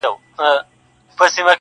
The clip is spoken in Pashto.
بدلون نظام کښې هېڅ راغلے نه دے